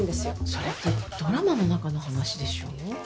それってドラマの中の話でしょ？